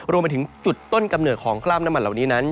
รวมไปถึงจุดต้นกำเนิดของกล้ามน้ำมันเหล่านี้นั้น